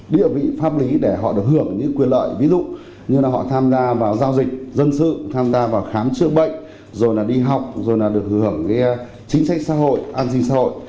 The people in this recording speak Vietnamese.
địa vị pháp lý để họ được hưởng những quyền lợi ví dụ như là họ tham gia vào giao dịch dân sự tham gia vào khám chữa bệnh rồi là đi học rồi là được hưởng chính sách xã hội an sinh xã hội